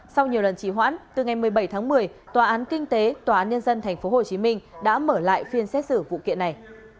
sau nhiều lần trì hoãn từ ngày một mươi bảy tháng một mươi tòa án kinh tế tòa án nhân dân tp hcm đã mở lại phiên xét xử vụ kiện này